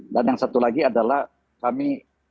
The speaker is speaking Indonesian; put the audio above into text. dan yang satu lagi adalah kami